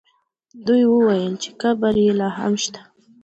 دوی وویل چې قبر یې لا هم شته.